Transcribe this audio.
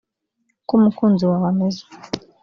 uko umukunzi wawe ameze